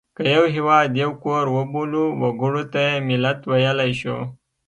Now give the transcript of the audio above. که یو هېواد یو کور وبولو وګړو ته یې ملت ویلای شو.